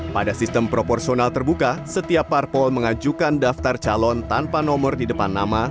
pada sistem proporsional terbuka setiap parpol mengajukan daftar calon tanpa nomor di depan nama